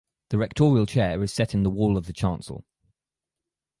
The rectorial chair is set in the wall of the chancel.